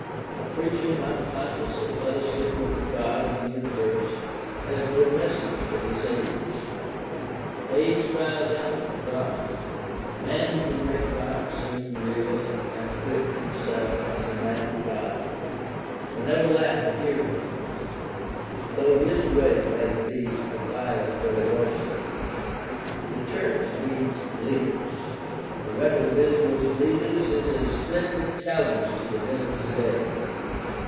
A preacher not conscious of fellowship with the God of the universe has no message for this age; the age cries out for God. The man who can make God seem real and can acquit himself as a man of God will never lack a hearing, though his way may be a via dolorosa. The church needs leaders. The record of Israel's leaders is a splendid challenge to the men of today.